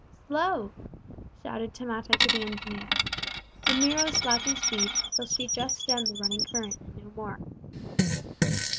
"Slow," shouted Tamate to the engineer. The Miro slackened speed till she just stemmed the running current and no more.